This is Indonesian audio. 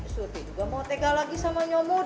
surti juga mau tegas lagi sama nyomot